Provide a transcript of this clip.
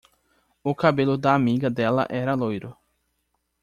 O cabelo da amiga dela era loiro.